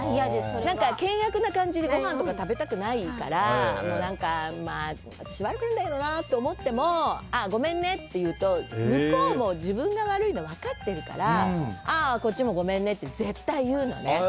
険悪な感じでごはんとか食べたくないから私、悪くないんだけどなと思ってもあ、ごめんねって言うと向こうも自分が悪いの分かってるからああ、こっちもごめんねって絶対言うのね。